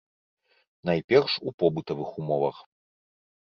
Найперш у побытавых умовах.